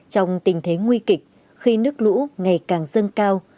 trong tình thế nguy kịch khi nước lũ ngày càng dâng cao